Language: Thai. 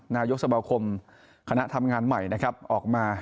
นายกสมาคมคณะทำงานใหม่นะครับออกมา